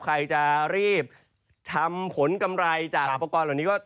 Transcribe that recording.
ใครจะรีบทำผลกำไรจากอุปกรณ์เหล่านี้ก็